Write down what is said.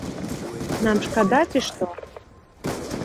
Нам шкада ці што?